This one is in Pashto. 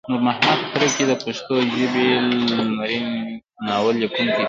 نورمحمد تره کی د پښتو ژبې لمړی ناول لیکونکی دی